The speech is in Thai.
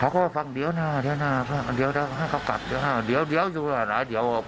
เขาก็ฟังเดี๋ยวหน้าเดี๋ยวหน้าเดี๋ยวเขากลับเดี๋ยวหน้าเดี๋ยวอยู่หน้าเดี๋ยวอบ